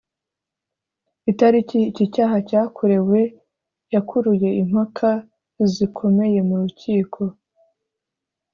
Itariki iki cyaha cyakorewe yakuruye impaka zikomeye mu rukiko